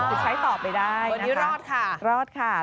คือใช้ต่อไปได้